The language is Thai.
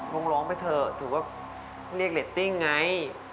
ลองร้องไปเถอะถือว่าเรียกเรตติ้งไง